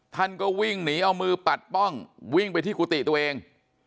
ท่านก็วิ่งหนีเอามือปัดป้องวิ่งไปที่กุฏิตัวเอง